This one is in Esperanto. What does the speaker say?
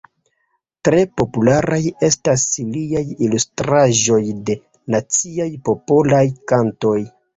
Tre popularaj estas liaj ilustraĵoj de naciaj popolaj kantoj.